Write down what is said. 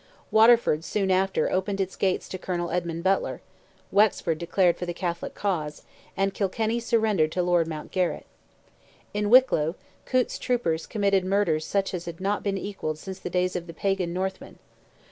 Waterford soon after opened its gates to Colonel Edmund Butler; Wexford declared for the Catholic cause, and Kilkenny surrendered to Lord Mountgarret. In Wicklow, Coote's troopers committed murders such as had not been equalled since the days of the Pagan Northmen.